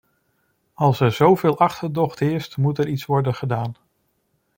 Als er zoveel achterdocht heerst, moet er iets worden gedaan.